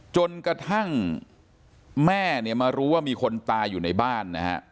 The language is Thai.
จนกระทั่งแม่เนี่ยมารู้ว่ามีคนตายอยู่ในบ้านนะฮะ